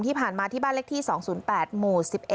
ที่ผ่านมาที่บ้านเลขที่๒๐๘หมู่๑๑